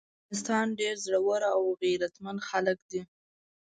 د افغانستان ډير زړور او غيرتمن خلګ دي۔